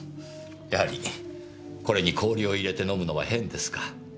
やはりこれに氷を入れて飲むのは変ですか。